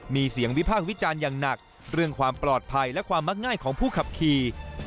มีเสียงวิพากษ์วิจารณ์อย่างหนักเรื่องความปลอดภัยและความมักง่ายของผู้ขับขี่